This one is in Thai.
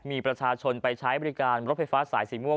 มีประชาชนไปใช้บริการรถไฟฟ้าสายสีม่วง